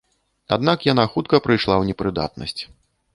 Аднак яна хутка прыйшла ў непрыдатнасць.